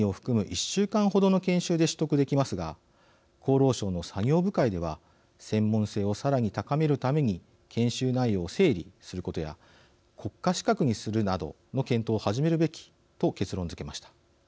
１週間ほどの研修で取得できますが厚労省の作業部会では専門性をさらに高めるために研修内容を整理することや国家資格にするなどの検討を始めるべきと結論づけました。